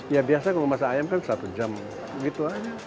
ya biasa kalau masak ayam kan satu jam gitu aja